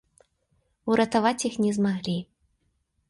Уратаваць іх не змаглі.